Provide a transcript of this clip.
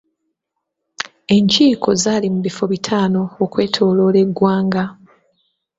Enkiiko zaali mu bifo bitaano okwetooloola eggwanga.